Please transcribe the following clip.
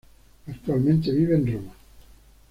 Actualmente vive en Roma.